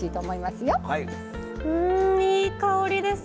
うんいい香りです。